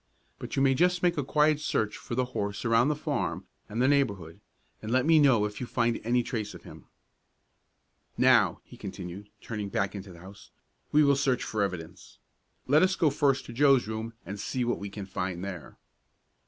But you may just make a quiet search for the horse around the farm and the neighborhood, and let me know if you find any trace of him. "Now," he continued, turning back into the house, "we will search for evidence. Let us go first to Joe's room and see what we can find there."